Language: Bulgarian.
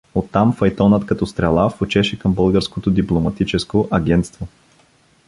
Оттам файтонът като стрела фучеше към българското дипломатическо агентство.